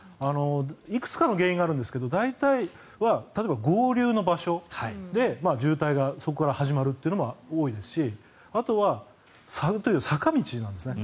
いくつかの原因があるんですが大体は例えば合流の場所で渋滞がそこから始まるというのが多いですしあとはサグという坂道なんですね。